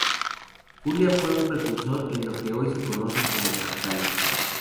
Julia fue un precursor en lo que hoy se conoce como fractales.